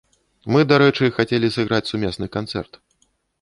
Мы, дарэчы, хацелі сыграць сумесны канцэрт.